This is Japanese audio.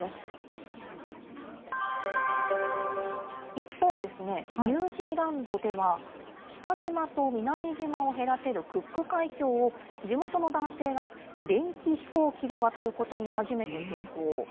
一方、ニュージーランドでは、北島と南島を隔てるクック海峡を、地元の男性が、電気飛行機で渡ることに初めて成功。